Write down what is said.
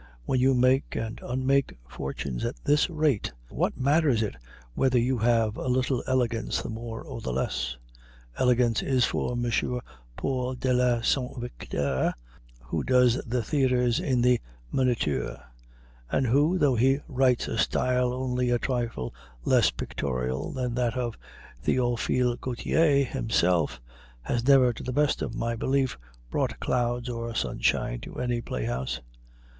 When you make and unmake fortunes at this rate, what matters it whether you have a little elegance the more or the less? Elegance is for M. Paul de St. Victor, who does the theaters in the "Moniteur," and who, though he writes a style only a trifle less pictorial than that of Théophile Gautier himself, has never, to the best of my belief, brought clouds or sunshine to any playhouse.